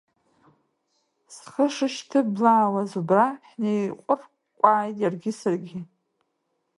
Сгәы шышьҭыблаауаз убра ҳнеиҟәыркәкәааит иаргьы саргьы.